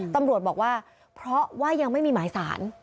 ตำรวจบอกว่าเพราะว่ายังไม่มีหมายสาร